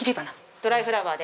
ドライフラワーで。